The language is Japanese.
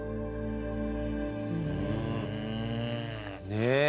ねえ。